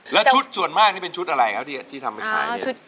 แล้วชุดส่วนมากนี่เป็นชุดอะไรครับที่ทำไปใช้เนี่ย